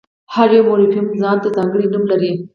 هر یو مورفیم ځان ته ځانګړی نوم لري.